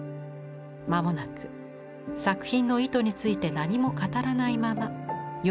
間もなく作品の意図について何も語らないまま世を去りました。